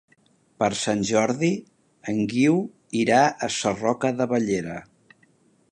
Per Sant Jordi en Guiu irà a Sarroca de Bellera.